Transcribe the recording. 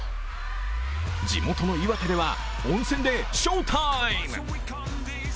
地元の岩手では温泉で翔タイム。